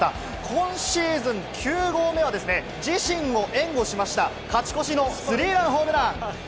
今シーズン９号目は自身を援護しました勝ち越しのスリーランホームラン。